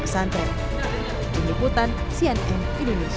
kesantan penyeliputan cnm indonesia